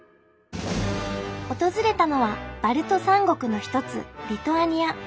訪れたのはバルト三国の一つリトアニア。